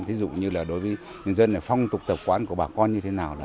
ví dụ như là đối với nhân dân phong tục tập quán của bà con như thế nào là